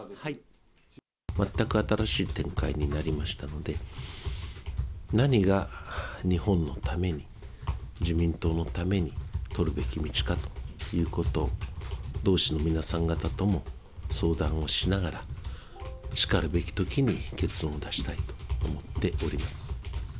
全く新しい展開になりましたので、何が日本のために、自民党のために取るべき道かということ、同志の皆さん方とも相談をしながら、しかるべきときに結論を出したいと思っております。